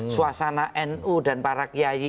suasana nu dan para kiai